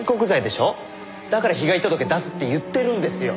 だから被害届出すって言ってるんですよ。